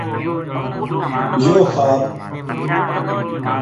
یوہ خواب